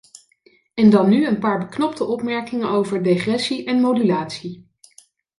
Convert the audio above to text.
En dan nu een paar beknopte opmerkingen over degressie en modulatie.